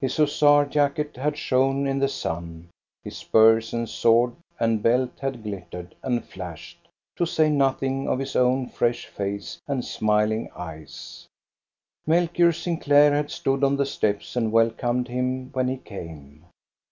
His hussar jacket had shone in the sun, his spurs and sword and belt had glittered and flashed, to say nothing of his own fresh face and smiling eyes. 358 THE STORY OF GOSTA BE RUNG Melchior Sinclair had stood on the steps and wel comed him when he came.